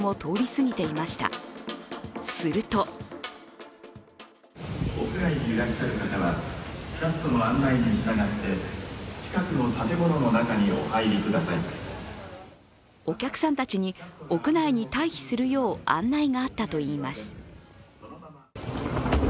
するとお客さんたちに屋内に退避するよう案内があったといいます。